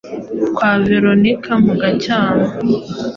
kwa Veronika mu Gacyamo,